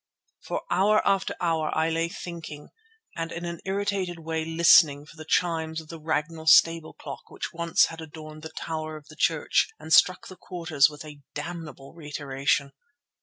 For hour after hour I lay thinking and in an irritated way listening for the chimes of the Ragnall stable clock which once had adorned the tower of the church and struck the quarters with a damnable reiteration.